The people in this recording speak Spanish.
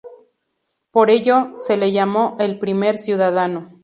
Por ello, se le llamó "El Primer Ciudadano".